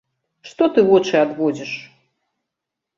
Што ты вочы адводзіш?